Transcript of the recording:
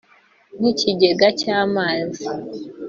nk’ikigega cy’amazi